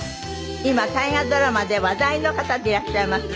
今大河ドラマで話題の方でいらっしゃいます。